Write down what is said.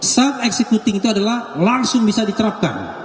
self executing itu adalah langsung bisa diterapkan